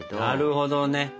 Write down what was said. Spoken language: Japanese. なるほどね。